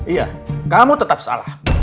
iya kamu tetap salah